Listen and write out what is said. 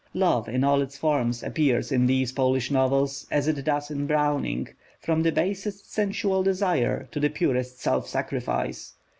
Love in all its forms appears in these Polish novels, as it does in Browning, from the basest sensual desire to the purest self sacrifice.